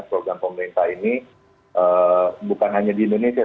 program pemerintah ini bukan hanya di indonesia